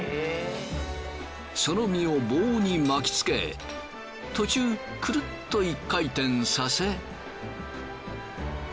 その身を棒に巻き付け途中クルッと１回転させ。